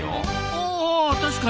あ確かに。